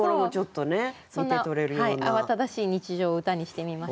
そんな慌ただしい日常を歌にしてみました。